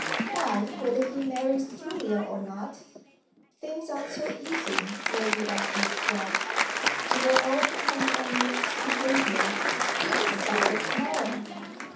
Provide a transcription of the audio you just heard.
"Why whether he marries Julia or not." "Things aren't so easy," Lady Agnes judged. "It will all depend on Nick's behaviour. He can stop it to morrow."